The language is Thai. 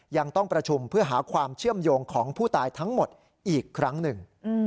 ยังต้องประชุมเพื่อหาความเชื่อมโยงของผู้ตายทั้งหมดอีกครั้งหนึ่ง